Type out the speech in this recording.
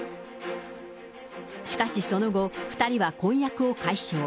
しかしその後、２人は婚約を解消。